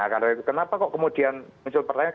nah kenapa kok kemudian muncul pertanyaan